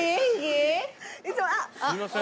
すいません。